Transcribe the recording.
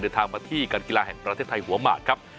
เดินทางมาที่การกีฬาแห่งประเทศไทยหัวหมากครับ